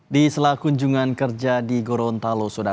di selakunjungan kerja di gorontalo